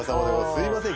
すいません